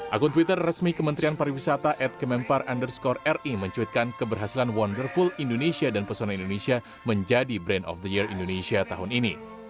akun twitter resmi kementerian pariwisata at kemempar underscore ri mencuitkan keberhasilan wonderful indonesia dan persona indonesia menjadi brand of the year indonesia tahun ini